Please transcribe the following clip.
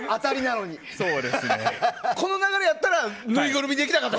この流れやったらぬいぐるみでいきたかった。